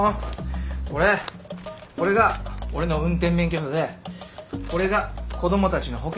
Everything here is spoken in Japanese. これこれが俺の運転免許証でこれが子供たちの保険証です。